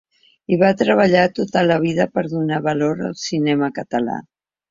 I va treballar tota la vida per donar valor al cinema català.